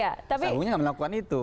jaksa agungnya nggak melakukan itu